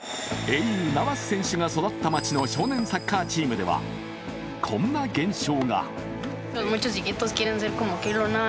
英雄ナバス選手が育った町の少年サッカーチームではこんな現象が。